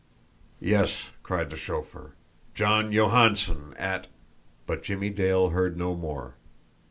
"Yes!" cried the chauffeur. "John Johansson, at " But Jimmie Dale heard no more.